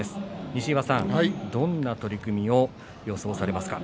西岩さんはどんな取組を予想されますか。